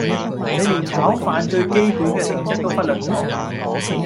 你連炒飯最基本嘅常識都忽略咗